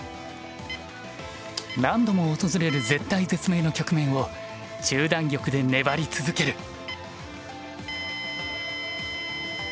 何度も訪れる絶体絶命の局面を中段玉で粘り続ける。